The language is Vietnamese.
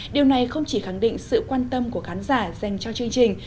điều này không chỉ khẳng định sự quan tâm của khán giả dành cho chương trình